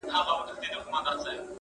• څوک پر مړو میندو په سرو چیغو تاویږي -